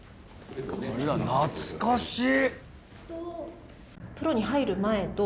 懐かしい！